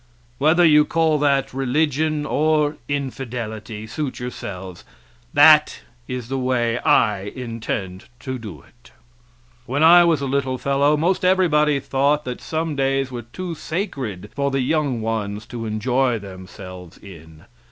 Whether you call that religion or infidelity, suit yourselves; that is the way I intend to do it. When I was a little fellow most everybody thought that some days were too sacred for the young ones to enjoy themselves in.